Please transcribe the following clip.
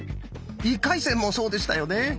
１回戦もそうでしたよね。